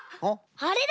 あれだ！